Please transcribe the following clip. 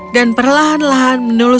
dan perlahan lahan mencari alkitab